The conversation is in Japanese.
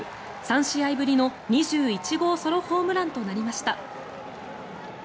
３試合ぶりの２１号ソロホームランとなりました。